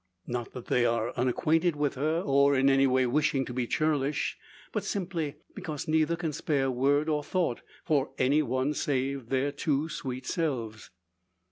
Not that they are unacquainted with her, or in any way wishing to be churlish. But, simply, because neither can spare word or thought for any one, save their two sweet selves.